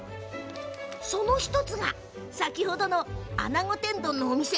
その１つが、先ほどのあなご天丼のお店。